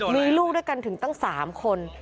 มีลูกด้วยกันถึงตั้ง๓คน